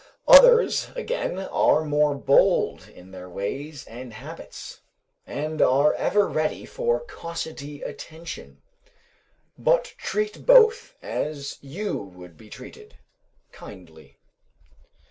Others again are more bold in their ways and habits, and are ever ready for cossetty attention; but treat both as you would be treated kindly.